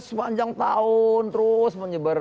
sepanjang tahun terus menyebar